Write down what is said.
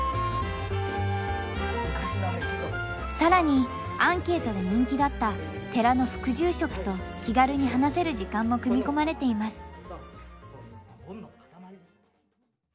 更にアンケートで人気だった寺の副住職と気軽に話せる時間も組み込まれています。